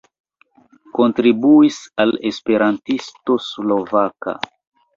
Kontribuis al Esperantisto Slovaka.